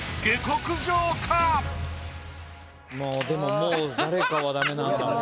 まぁでももう誰かはダメなんだもんな。